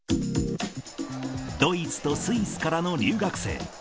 ドイツとスイスからの留学生。